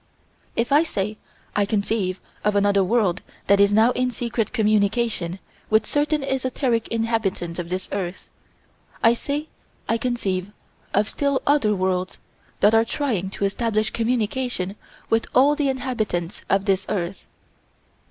If I say I conceive of another world that is now in secret communication with certain esoteric inhabitants of this earth, I say I conceive of still other worlds that are trying to establish communication with all the inhabitants of this earth.